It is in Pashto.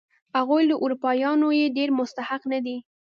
هغوی له اروپایانو یې ډېر مستحق نه دي.